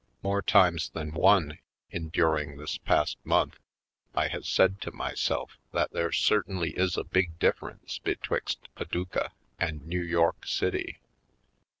More times than one endur ing this past month I has said to myself that there certainly is a big difiference be twixt Paducah and New York City.